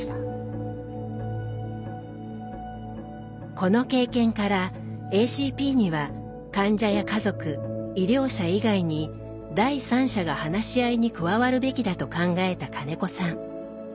この経験からＡＣＰには患者や家族医療者以外に第三者が話し合いに加わるべきだと考えた金子さん。